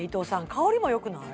香りもよくない？